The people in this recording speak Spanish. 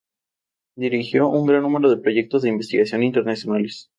El estudio del comportamiento del cuerpo es conocido como anatomía.